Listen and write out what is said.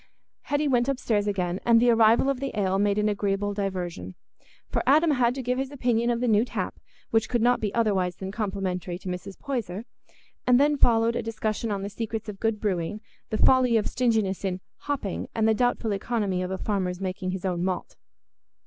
Hetty went upstairs again, and the arrival of the ale made an agreeable diversion; for Adam had to give his opinion of the new tap, which could not be otherwise than complimentary to Mrs. Poyser; and then followed a discussion on the secrets of good brewing, the folly of stinginess in "hopping," and the doubtful economy of a farmer's making his own malt.